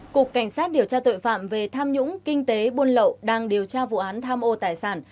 cục cảnh sát điều tra tội phạm về tham nhũng kinh tế buôn lậu đang điều tra vụ án tham ô tài sản